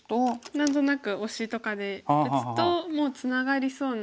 何となくオシとかで打つともうツナがりそうな。